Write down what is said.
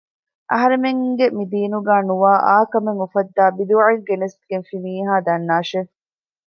އަހަރެމެންގެ މި ދީނުގައި ނުވާ އާ ކަމެއް އުފައްދައި ބިދުޢައެއް ގެނެސްގެންފި މީހާ ދަންނާށޭ